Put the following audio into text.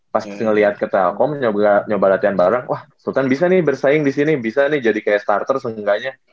pasti ngeliat ke telkom nyoba latihan bareng wah sultan bisa nih bersaing disini bisa nih jadi kayak starter seenggaknya